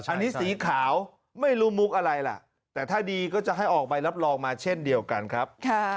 อันนี้สีขาวไม่รู้มุกอะไรล่ะแต่ถ้าดีก็จะให้ออกใบรับรองมาเช่นเดียวกันครับ